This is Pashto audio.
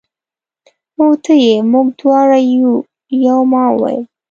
هو ته یې، موږ دواړه یو، یو. ما وویل.